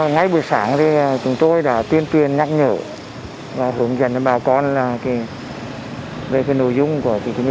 ngay buổi sáng chúng tôi đã tuyên truyền nhắc nhở và hướng dẫn cho bà con về nội dung của tỉnh chín mươi sáu